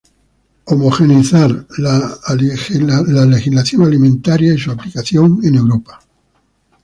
Homogeneizar la legislación alimentaria y su aplicación en Europa.